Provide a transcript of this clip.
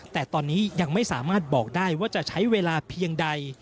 แต่ตอนนี้ยังไม่สามารถบอกได้ว่าจะใช้เวลาเพียงใด